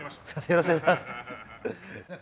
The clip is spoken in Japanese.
よろしくお願いします。